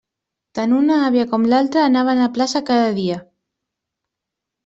Tant una àvia com l'altra anaven a plaça cada dia.